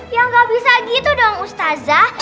ya gak bisa gitu dong ustazah